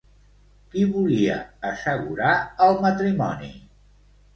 Qui volia assegurar el matrimoni?